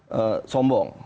perasaan dirinya sombong